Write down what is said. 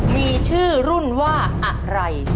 มีชื่อรุ่นว่าอะไร